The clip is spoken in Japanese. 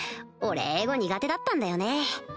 俺英語苦手だったんだよね